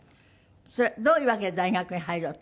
それはどういうわけで大学に入ろうと？